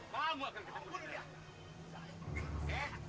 maaf gua kena ketawa